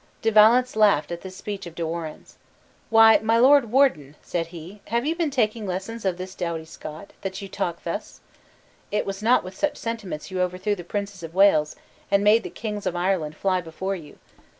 De Valence laughed at this speech of De Warenne's. "Why, my lord warden," said he, "have you been taking lessons of this doughty Scot, that you talk thus? It was not with such sentiments you overthrew the princes of Wales, and made the kings of Ireland fly before you!